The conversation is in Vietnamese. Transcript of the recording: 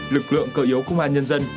lực lượng cơ yếu công an nhân dân